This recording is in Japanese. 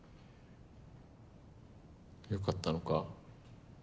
良かったのか？